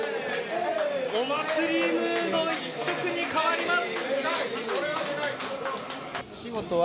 お祭りムード一色に変わります！